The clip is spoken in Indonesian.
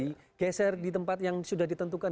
loh lokasinya agak digeser di tempat yang sudah ditentukan